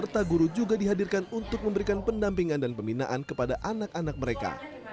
serta guru juga dihadirkan untuk memberikan pendampingan dan pembinaan kepada anak anak mereka